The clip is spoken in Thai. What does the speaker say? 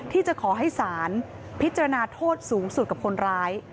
ที่จะขอให้ศาลพิจารณาโทษสูงสุดกับคนร้าย